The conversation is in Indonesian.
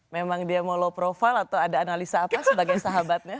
memang dia mau low profile atau ada analisa apa sebagai sahabatnya